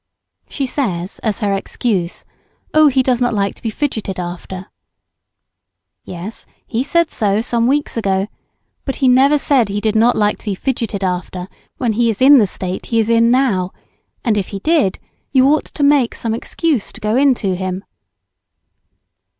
She says, as her excuse, Oh, he does not like to be fidgetted after. Yes, he said so some weeks ago; but he never said he did not like to be "fidgetted after," when he is in the state he is in now; and if he did, you ought to make some excuse to go in to him.